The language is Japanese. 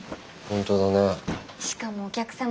本当だね。